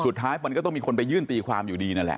สุดท้ายมันก็ต้องมีคนไปยื่นตีความอยู่ดีนั่นแหละ